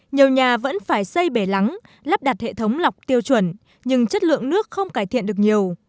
nhiều nhà vẫn phải xây bể lắng lắp đặt hệ thống lọc tiêu chuẩn nhưng chất lượng nước không cải thiện được nhiều